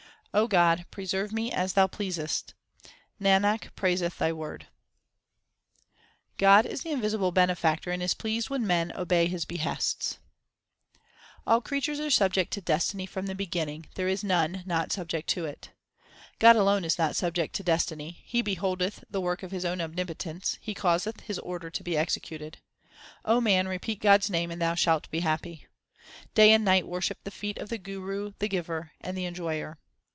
O God, preserve me as Thou pleasest ; Nanak praiseth Thy Word. 1 That is, God s name. 2 Literally this fruit. 332 THE SIKH RELIGION God is the invisible Benefactor and is pleased when men obey His behests : All creatures are subject to destiny from the beginning ; there is none not subject to it. God alone is not subject to destiny ; He beholdeth the work of His own omnipotence ; He causeth His order to be executed. man, repeat God s name and thou shalt be happy ; Day and night worship the feet of the Guru the Giver and the Enjoyer.